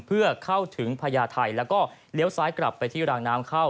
เพื่อเข้าถึงพญาไทยแล้วก็เลี้ยวซ้ายกลับไปที่รางน้ำเข้า